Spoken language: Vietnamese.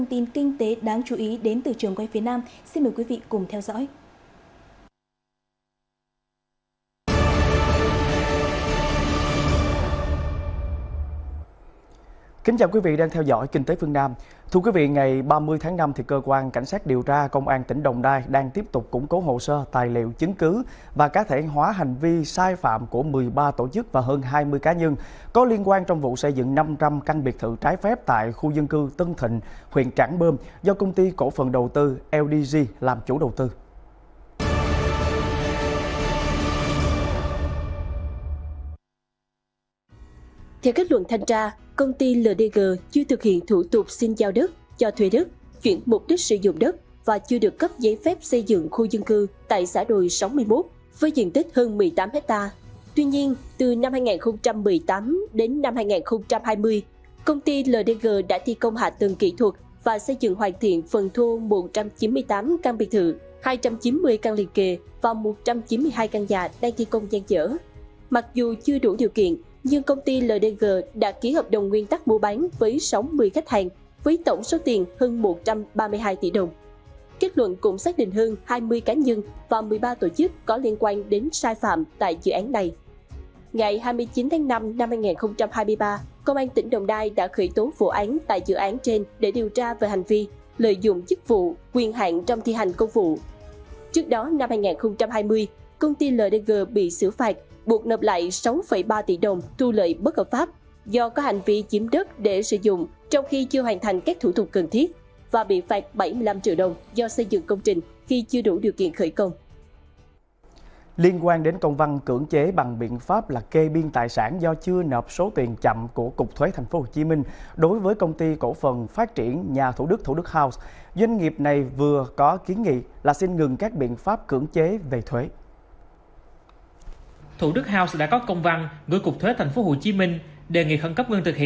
tiếp theo chương trình là các thông tin kinh tế đáng chú ý đến từ trường quay phía nam xin mời quý vị cùng theo dõi